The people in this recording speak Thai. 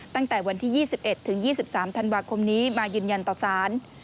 ตั้งแต่วันที่๒๑๒๓ธันวาคมนี้มายืนยันต่อสาร